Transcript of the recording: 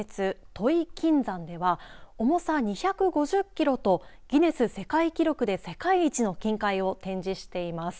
土肥金山では重さ２５０キロとギネス世界記録で世界一の金塊を展示しています。